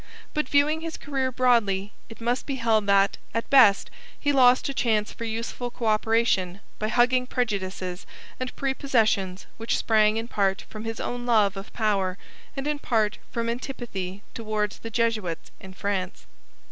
But viewing his career broadly it must be held that, at best, he lost a chance for useful co operation by hugging prejudices and prepossessions which sprang in part from his own love of power and in part from antipathy towards the Jesuits in France.